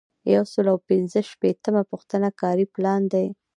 یو سل او پنځه شپیتمه پوښتنه کاري پلان دی.